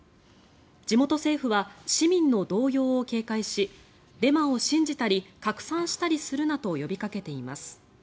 地元政府は市民の動揺を警戒しデマを信じたり拡散したりするなと呼びかけています。